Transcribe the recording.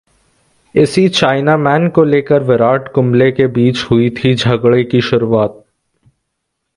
इसी 'चाइनामैन' को लेकर विराट-कुंबले के बीच हुई थी झगड़े की शुरुआत